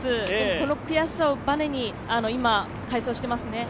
この悔しさをバネに今、快走していますね。